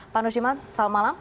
pak nusyiriwan selamat malam